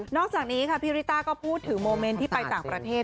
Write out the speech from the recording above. อกจากนี้ค่ะพี่ริต้าก็พูดถึงโมเมนต์ที่ไปต่างประเทศ